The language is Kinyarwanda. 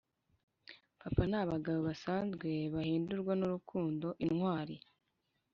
papa ni abagabo basanzwe bahindurwa n'urukundo intwari,